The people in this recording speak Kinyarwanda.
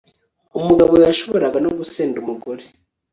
umugabo yashoboraga no gusenda umugore